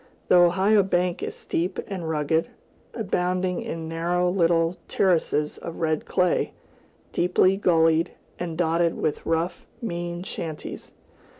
The Ohio bank is steep and rugged, abounding in narrow little terraces of red clay, deeply gullied, and dotted with rough, mean shanties.